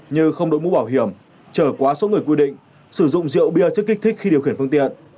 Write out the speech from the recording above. như không đổi mũ bảo hiểm trở quá số người quy định sử dụng rượu bia chất kích thích khi điều khiển phương tiện